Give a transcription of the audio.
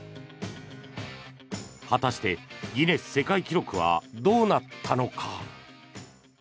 果たしてギネス世界記録はどうなったのか。